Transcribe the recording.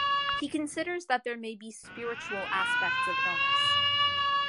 He considers that there may be spiritual aspects of illness.